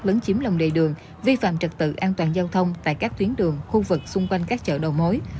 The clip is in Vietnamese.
lớn chiếm lòng đề đường vi phạm trật tự an toàn giao thông tại các tuyến đường khu vực xung quanh các chợ đầu mối